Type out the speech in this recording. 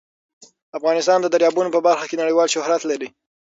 افغانستان د دریابونه په برخه کې نړیوال شهرت لري.